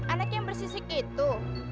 anak yang bersisik itu